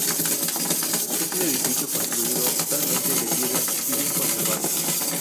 Es un edificio construido totalmente de piedra y bien conservado.